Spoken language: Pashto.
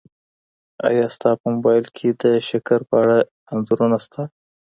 ایا ستا په موبایل کي د شکر په اړه انځورونه سته؟